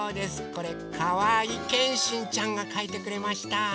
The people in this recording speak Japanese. これかわいけんしんちゃんがかいてくれました。